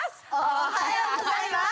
おはようございます！